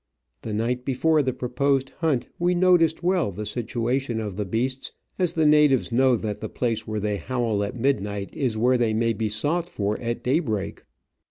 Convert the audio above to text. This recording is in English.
The night before the proposed hunt we noticed well the situation of the beasts, as the natives know that the place where they howl at midnight is where they may be sought for at daybreak.